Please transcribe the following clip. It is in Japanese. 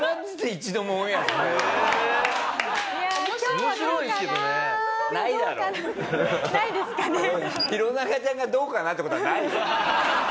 弘中ちゃんが「どうかな？」って事はないわ。